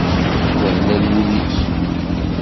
d amellal wul-is.